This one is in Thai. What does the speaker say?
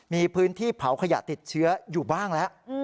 มีพื้นที่เผาขยะติดเชื้ออยู่บ้างแล้ว